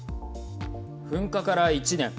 噴火から１年。